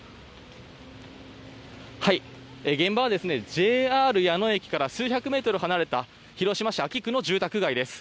現場はＪＲ矢野駅から数百メートル離れた広島市安芸区の住宅街です。